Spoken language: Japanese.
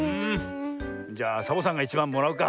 じゃあサボさんがいちばんもらうか。